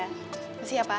terima kasih ya pak